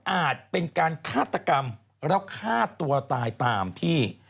อาจเป็นการฆาตกรรมแล้วฆ่าตัวตายตามพี่